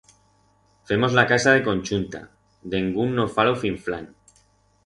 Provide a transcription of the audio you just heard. Femos la casa de conchunta, dengún no fa lo finflán.